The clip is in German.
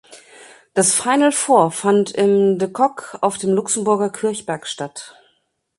Das Final Four fand im d’Coque auf dem Luxemburger Kirchberg statt.